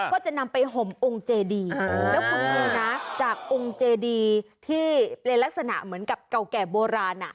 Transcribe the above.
ก็จะนำไปห่มองค์เจดีแล้วคุณดูนะจากองค์เจดีที่เป็นลักษณะเหมือนกับเก่าแก่โบราณ